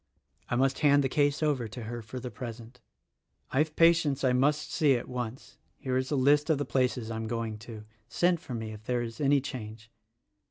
I must hand the case over to her for the present. I have patients I must see at once (here is a list of places I am going to — send for me if there is any change).